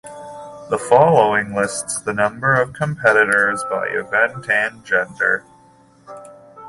The following lists the number of competitors by event and gender.